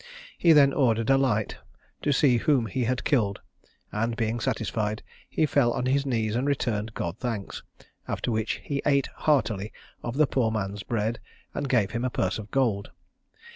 He then ordered a light, to see whom he had killed, and being satisfied, he fell on his knees and returned God thanks; after which he ate heartily of the poor man's bread, and gave him a purse of gold.